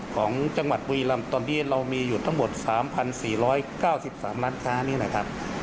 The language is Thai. ของจังหวัดบุรีรำตอนนี้เรามีอยู่ทั้งหมด๓๔๙๓ร้านค้านี้นะครับ